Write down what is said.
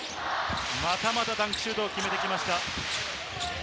またまたダンクシュートを決めてきました。